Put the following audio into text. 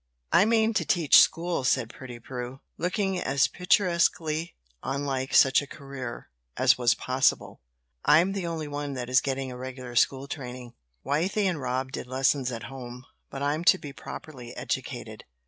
"I mean to teach school," said pretty Prue, looking as picturesquely unlike such a career as was possible. "I'm the only one that is getting a regular school training; Wythie and Rob did lessons at home, but I'm to be properly educated.